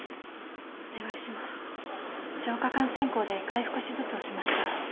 消化管穿孔で開腹手術をしました。